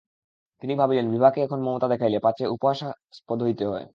তিনি ভাবিলেন, বিভাকে এখন মমতা দেখাইলে পাছে উপহাসাস্পদ হইতে হয়।